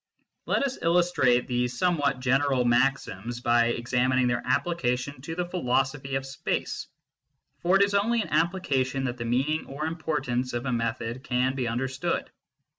Let us illustrate these somewhat general maxims by examining their application to the philosophy of space, for it is only in application that the meaning or impor tance of a method can be understood.